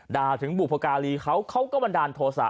ด่าถึงบุพการีเขาเขาก็บันดาลโทษะ